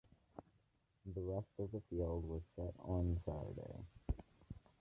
The rest of the field was set on Saturday.